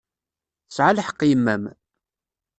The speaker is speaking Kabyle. Tesɛa lḥeqq yemma-m.